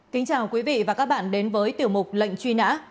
kính chào quý vị và các bạn đến với tiểu mục lệnh truy nã